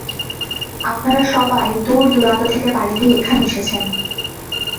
আপনারা সবাই দূর-দূরান্ত থেকে পাড়ি দিয়ে এখানে এসেছেন।